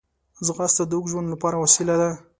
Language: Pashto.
ځغاسته د اوږد ژوند لپاره وسیله ده